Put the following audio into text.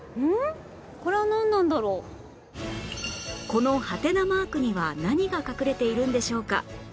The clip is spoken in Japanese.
このハテナマークには何が隠れているんでしょうか？